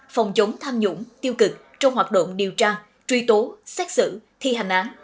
phòng chống tham nhũng tiêu cực trong hoạt động điều tra truy tố xét xử thi hành án